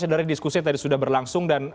dari diskusi yang tadi sudah berlangsung dan